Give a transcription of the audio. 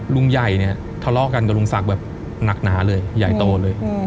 ลุงใหญ่เนี่ยทะเลาะกันกับลุงศักดิ์แบบหนักหนาเลยใหญ่โตเลย